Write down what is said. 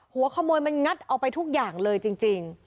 หัวขโมยมันงัดเอาไปทุกอย่างเลยจริง